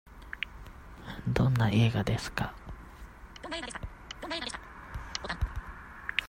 どんな映画ですか。